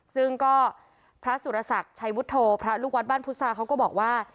ซึ่งก็พระสุรศักดิ์ชัยวุฒโธพระลูกวัดบ้านพุทธศาเขาก็บอกว่า